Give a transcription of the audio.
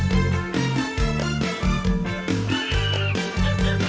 บอกลากันไปแล้วสวัสดีครับ